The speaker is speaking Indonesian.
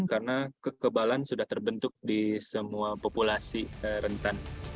karena kekebalan sudah terbentuk di semua populasi rentan